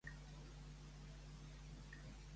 Quan va néixer la Maria Matilde Almendros?